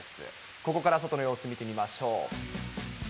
ここから外の様子見てみましょう。